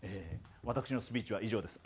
私のスピーチは以上です。